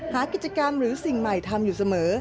หากิจกรรมหรือสิ่งใหม่ทำอยู่เสมอ